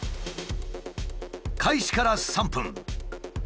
開始から３分。